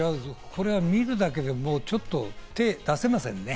これは見るだけで、ちょっと手出せませんね。